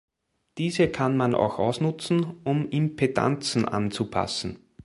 Diese kann man auch ausnutzen, um Impedanzen anzupassen.